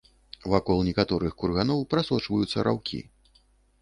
Вакол некаторых курганоў прасочваюцца раўкі.